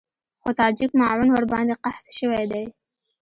خو تاجک معاون ورباندې قحط شوی دی.